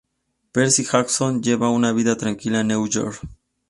Percy Jackson lleva una vida tranquila en Nueva York.